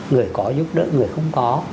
người có giúp đỡ người không có